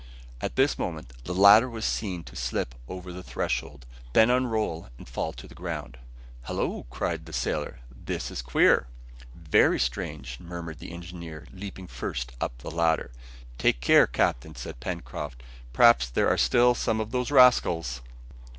At this moment the ladder was seen to slip over the threshold, then unroll and fall to the ground. "Hullo!" cried the sailor, "this is queer!" "Very strange!" murmured the engineer, leaping first up the ladder. "Take care, captain!" cried Pencroft, "perhaps there are still some of these rascals..."